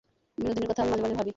বিনোদিনীর কথা আমি মাঝে মাঝে ভাবি।